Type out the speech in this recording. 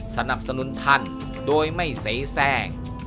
สนับสนุนท่านโดยไม่เสียแทรก